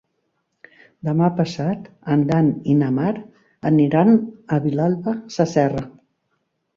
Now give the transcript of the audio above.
Demà passat en Dan i na Mar aniran a Vilalba Sasserra.